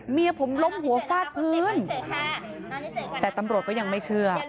เมียผมล้มหัวฟาดพื้นแต่ตำรวจก็ยังไม่เชื่อ